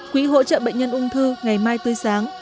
quỹ hỗ trợ bệnh nhân ung thư ngày mai tươi sáng